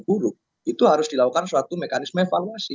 pemilu yang paling buruk itu harus dilakukan suatu mekanisme evaluasi